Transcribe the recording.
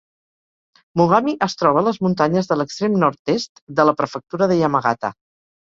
Mogami es troba a les muntanyes de l'extrem nord-est de la Prefectura de Yamagata.